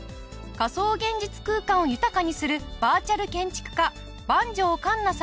仮想現実空間を豊かにするバーチャル建築家番匠カンナさん。